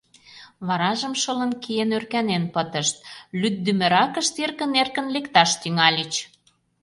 Варажым шылын киен ӧрканен пытышт, лӱддымыракышт эркын-эркын лекташ тӱҥальыч.